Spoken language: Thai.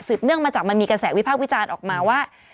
เนื่องมาจากมันมีกระแสวิพากษ์วิจารณ์ออกมาว่า